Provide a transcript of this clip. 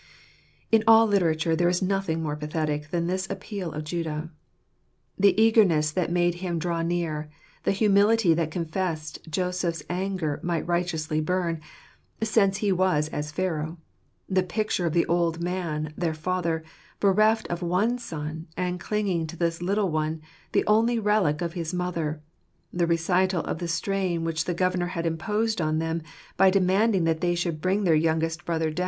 In all literature , there is nothing more pathetic than this appeal of Judah. The eagerness that made him draw near; the humility that confessed Joseph's anger might righteously burn, since he was as Pharaoh ; the picture of the old man, their father, bereft of one son, and clinging to this little one, the only relict of his mother; the recital of the strain which the governor had imposed on them, by demanding that they should bring their youngest brother <©ur jUtaate.